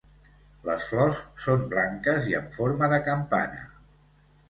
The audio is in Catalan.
Les flors són blanques i amb forma de campana.